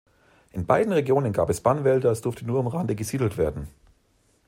In beiden Regionen gab es Bannwälder, es durfte nur am Rande gesiedelt werden.